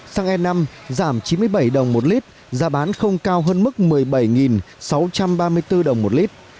xăng e năm giảm chín mươi bảy đồng một lít giá bán không cao hơn mức một mươi bảy sáu trăm ba mươi bốn đồng một lít